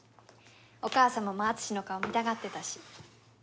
お母様も敦の顔見たがってたし。